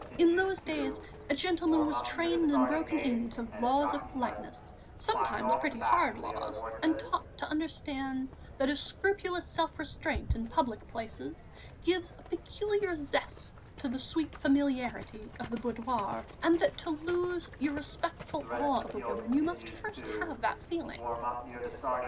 In those days a gentleman was trained and broken in to the laws of politeness, sometimes pretty hard laws, and taught to understand that a scrupulous self restraint in public places gives a peculiar zest to the sweet familiarity of the boudoir, and that to lose your respectful awe of a woman, you must first have that feeling.